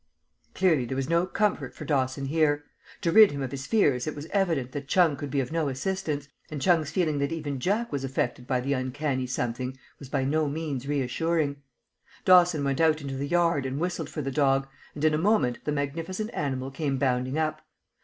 Clearly there was no comfort for Dawson here. To rid him of his fears it was evident that Chung could be of no assistance, and Chung's feeling that even Jack was affected by the uncanny something was by no means reassuring. Dawson went out into the yard and whistled for the dog, and in a moment the magnificent animal came bounding up.